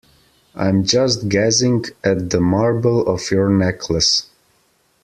I'm just gazing at the marble of your necklace.